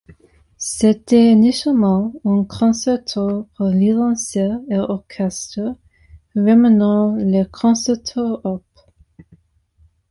C'était initialement un concerto pour violoncelle et orchestre remaniant le Concerto op.